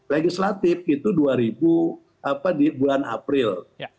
legislatif itu dua ribu apa di bulan april